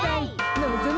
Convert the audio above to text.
のぞみ。